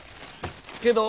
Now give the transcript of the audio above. けど